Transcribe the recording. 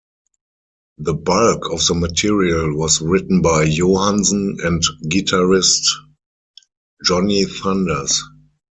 The bulk of the material was written by Johansen and guitarist Johnny Thunders.